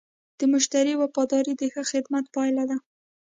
د مشتری وفاداري د ښه خدمت پایله ده.